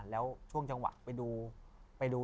แล้วช่วงจังหวะไปดูไปดู